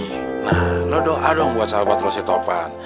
nah lu doa dong buat sahabat lu si topan